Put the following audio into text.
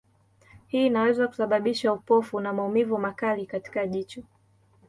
Hii inaweza kusababisha upofu na maumivu makali katika jicho.